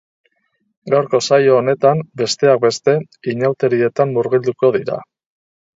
Gaurko saio honetan, besteak beste, inauterietan murgilduko dira.